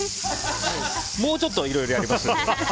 もうちょっといろいろやります。